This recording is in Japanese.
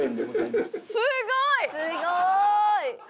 すごい。